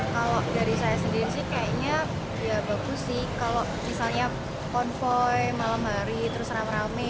kalau dari saya sendiri sih kayaknya ya bagus sih kalau misalnya konvoy malam hari terus rame rame